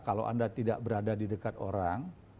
kalau anda tidak berada di dekat orang